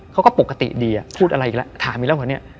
เขาก็ปกติดีพูดอะไรอีกแล้วถามอีกแล้วเหรอเนี่ย